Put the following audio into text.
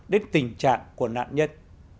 đến tình trạng của nạn nhân